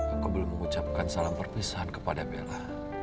aku belum mengucapkan salam perpisahan kepada bella